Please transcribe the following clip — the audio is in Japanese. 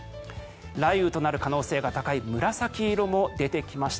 雷雨となる可能性が高い紫色も出てきました。